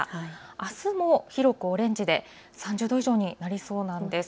あすも広くオレンジで３０度以上になりそうなんです。